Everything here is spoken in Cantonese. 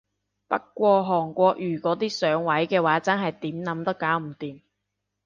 不過韓國瑜嗰啲上位嘅話真係點諗都搞唔掂